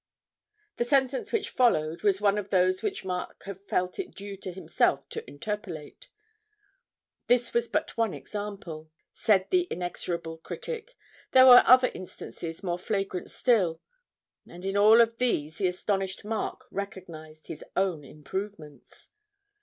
The sentence which followed was one of those which Mark had felt it due to himself to interpolate. This was but one example, said the inexorable critic, there were other instances more flagrant still and in all of these the astonished Mark recognised his own improvements!